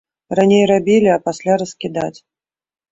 Раней рабілі, а пасля раскідаць.